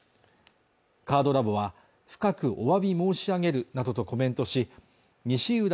カードラボは深くおわび申し上げるなどとコメントし西浦